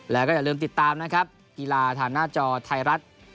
แล้วก็อย่าลืมติดตามนะครับกีฬาทางหน้าจอไทยรัฐ